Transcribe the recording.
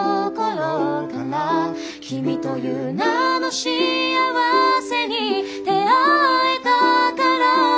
「君という名の幸せに出会えたから」